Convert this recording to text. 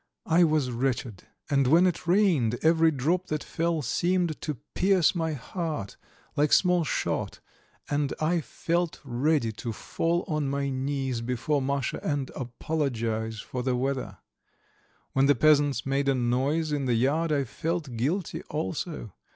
I was wretched, and when it rained, every drop that fell seemed to pierce my heart, like small shot, and I felt ready to fall on my knees before Masha and apologize for the weather. When the peasants made a noise in the yard I felt guilty also.